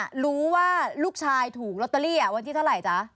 มีที่รู้ว่ารูปศึกรอเตอรี่กำลังถูกที่เมื่อไหร่จ๊ะ